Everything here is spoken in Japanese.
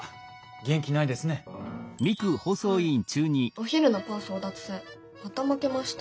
お昼のパン争奪戦また負けました。